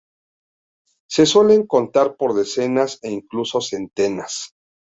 Se suelen contar por decenas e incluso centenas.